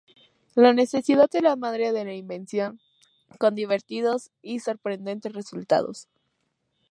La necesidad es la madre de la invención con divertidos y sorprendentes resultados.